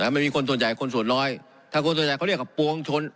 มันมีคนส่วนใหญ่คนส่วนร้อยถ้าคนส่วนใหญ่เขาเรียกว่าปวงชน